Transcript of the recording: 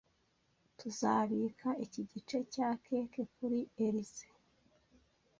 Tuzabika iki gice cya cake kuri Elyse.